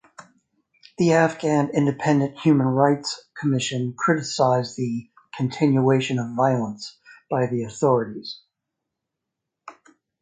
The Afghan Independent Human Rights Commission criticised the "continuation of violence" by the authorities.